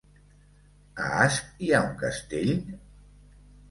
A Asp hi ha un castell?